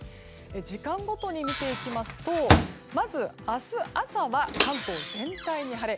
時間ごとに見ていきますとまず、明日朝は関東全体に晴れ。